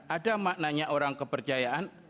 ada maknanya orang kepercayaan